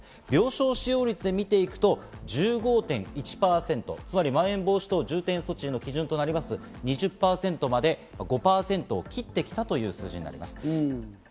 病床使用率で見ていくと１５．１％、つまりまん延防止等重点措置の基準となります、２０％まで５％を切ってきたという数字になります。